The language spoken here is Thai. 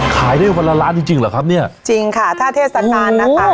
ขายได้วันละล้านจริงจริงเหรอครับเนี่ยจริงค่ะถ้าเทศกาลนะคะ